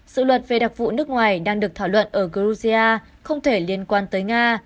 sự luật về đặc vụ nước ngoài đang được thảo luận ở georgia không thể liên quan tới nga